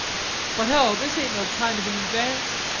"But, hell, this ain't no kind of an advance.